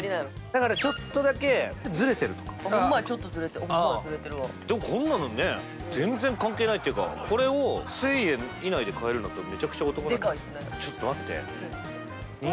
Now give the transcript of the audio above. だからちょっとだけずれてるとかホンマやちょっとずれてるわでもこんなのね全然関係ないっていうかこれを１０００円以内で買えるんだったらめちゃくちゃお得デカいっすね